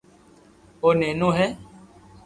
او نينو ھي